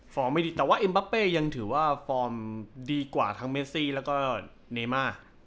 ไม่ดีแต่ว่าเอ็มบาเป้ยังถือว่าฟอร์มดีกว่าทั้งเมซี่แล้วก็เนม่า